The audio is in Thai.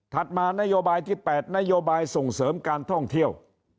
มานโยบายที่๘นโยบายส่งเสริมการท่องเที่ยว